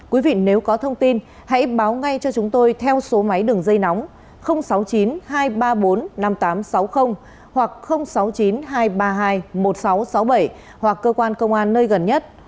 quý vị nếu có thông tin hãy báo ngay cho chúng tôi theo số máy đường dây nóng sáu mươi chín hai trăm ba mươi bốn năm nghìn tám trăm sáu mươi hoặc sáu mươi chín hai trăm ba mươi hai một nghìn sáu trăm sáu mươi bảy hoặc cơ quan công an nơi gần nhất